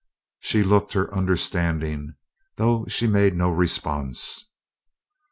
She looked her understanding, though she made no response.